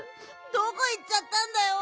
どこいっちゃったんだよ。